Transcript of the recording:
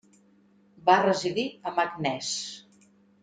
Va residir a Meknès.